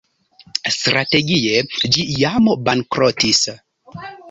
Strategie, ĝi jam bankrotis.